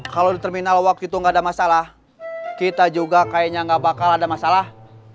kalau di terminal waktu itu nggak ada masalah kita juga kayaknya nggak bakal ada masalah